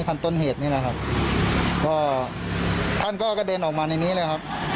คันต้นเหตุนี้นะครับก็ท่านก็กระเด็นออกมาในนี้เลยครับ